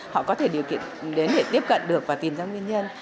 họ có thể điều kiện đến để tiếp cận được và tìm ra nguyên nhân